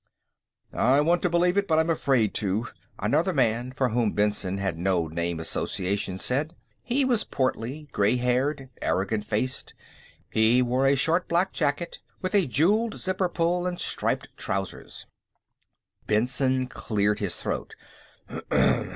"I want to believe it, but I'm afraid to," another man for whom Benson had no name association said. He was portly, gray haired, arrogant faced; he wore a short black jacket with a jewelled zipper pull, and striped trousers. Benson cleared his throat.